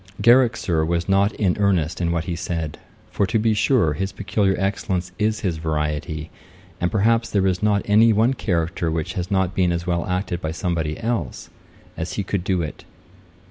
'Garrick, Sir, was not in earnest in what he said; for, to be sure, his peculiar excellence is his variety: and, perhaps, there is not any one character which has not been as well acted by somebody else, as he could do it.'